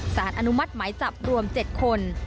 สหรัฐอนุมัติไหมจับรวม๗คน